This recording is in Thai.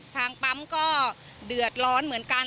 ทางปั๊มก็เดือดร้อนเหมือนกัน